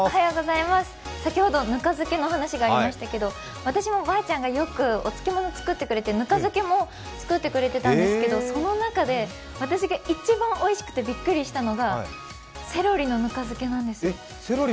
先ほど、ぬか漬けの話がありましたけど、私もおばあちゃんがよくお漬物作ってくれて、ぬか漬けも作ってくれてたんですけど、その中で私が一番おいしくてびっくりしたのがセロリのぬか漬けなんです。